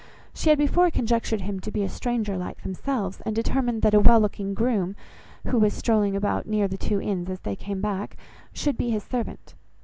She had before conjectured him to be a stranger like themselves, and determined that a well looking groom, who was strolling about near the two inns as they came back, should be his servant.